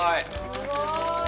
すごい。